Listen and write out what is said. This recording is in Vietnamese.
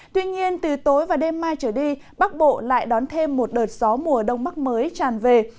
tuy nhiên từ tối và đêm mai trở đi bắc bộ lại đón thêm một đợt gió mùa đông bắc mới tràn về